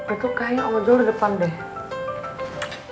itu kayaknya om jho udah depan deh